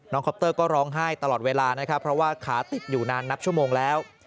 คอปเตอร์ก็ร้องไห้ตลอดเวลานะครับเพราะว่าขาติดอยู่นานนับชั่วโมงแล้ว